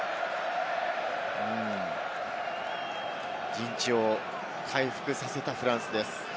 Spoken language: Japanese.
陣地を回復させたフランスです。